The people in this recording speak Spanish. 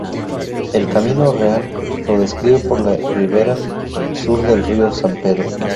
El ‘Camino Real’ lo describe por la ribera sur del Río San Pedro.